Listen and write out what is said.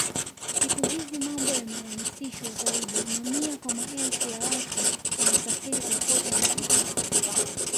Siku hizi mambo yamerahisishwa zaidi mamia kwa maelfu ya watu wanasafiri kokote wanakotaka